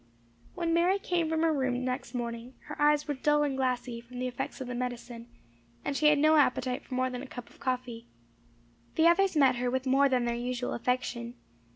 When Mary came from her room next morning her eyes were dull and glassy, from the effects of the medicine, and she had no appetite for more than a cup of coffee. The others met her with more than their usual affection.